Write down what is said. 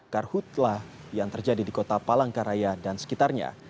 karhutlah yang terjadi di kota palangkaraya dan sekitarnya